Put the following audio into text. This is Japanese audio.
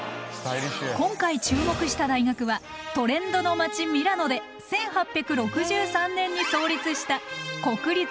今回注目した大学はトレンドの街ミラノで１８６３年に創立した国立ミラノ工科大学。